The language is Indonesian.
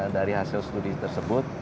dari hasil studi tersebut